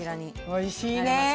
おいしいね！